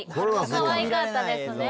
かわいかったですね。